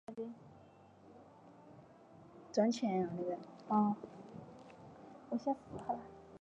杨维于入国家队后的两年夺得了新加坡公开赛的女子双打项目与苏迪曼杯的冠军。